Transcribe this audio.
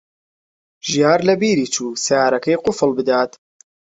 ژیار لەبیری چوو سەیارەکەی قوفڵ بدات.